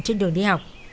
trên đường đi học